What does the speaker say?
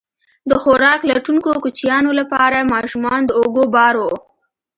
د خوراک لټونکو کوچیانو لپاره ماشومان د اوږو بار وو.